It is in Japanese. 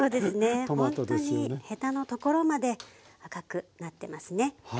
ほんとにヘタのところまで赤くなってますね。